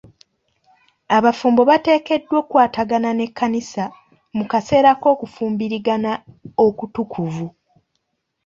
Abafumbo bateekeddwa okwatagana n'ekkanisa mu kaseera k'okufumbirigana okutukuvu.